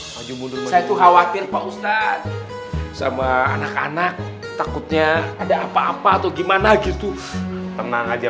menggunakan khawatir pak ustadz sama anak anak takutnya ada apa apa atau gimana gitu tenang aja